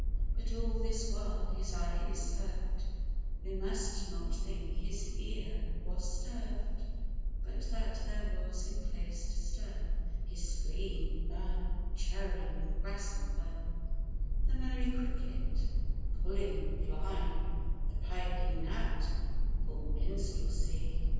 But all this while his eye is served, We must not think his ear was sterved; But that there was in place to stir His spleen, the chirring grasshopper, The merry cricket, puling fly, The piping gnat for minstrelsy.